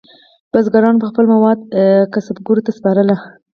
بزګرانو به خپل مواد کسبګرو ته سپارل.